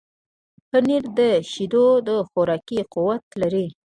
پنېر د شیدو خوراکي قوت لري.